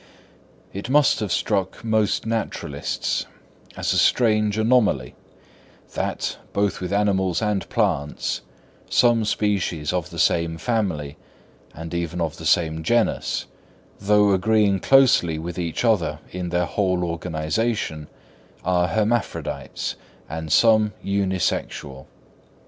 It must have struck most naturalists as a strange anomaly that, both with animals and plants, some species of the same family and even of the same genus, though agreeing closely with each other in their whole organisation, are hermaphrodites, and some unisexual.